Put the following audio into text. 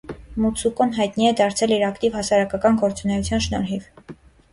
Մուցուկոն հայտնի է դարձել իր ակտիվ հասարակական գործունեության շնորհիվ։